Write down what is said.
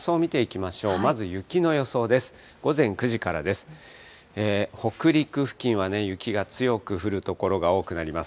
まず雪の予想です。